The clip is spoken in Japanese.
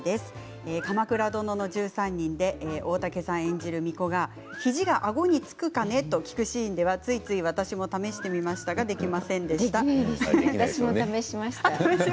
「鎌倉殿の１３人」で大竹さん演じる歩き巫女が肘にあごがつくかね？と聞くシーンではついつい試してみましたができませんでした。